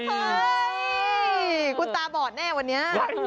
เฮ้ยคุณตาบอดแน่วันนี้